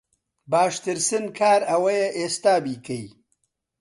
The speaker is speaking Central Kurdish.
باشترسن کار ئەوەیە ئێستا بیکەی